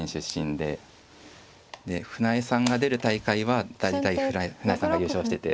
で船江さんが出る大会は大体船江さんが優勝してて。